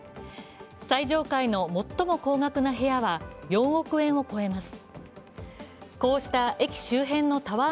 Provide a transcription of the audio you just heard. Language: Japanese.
最上階の最も高額な部屋は４億円を超えます。